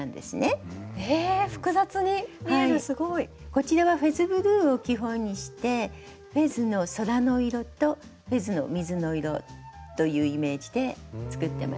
こちらはフェズブルーを基本にしてフェズの空の色とフェズの水の色というイメージで作ってます。